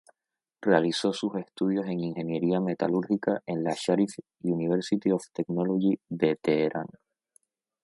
Realizó sus estudios en ingeniería metalúrgica en la Sharif University of Technology de Teherán.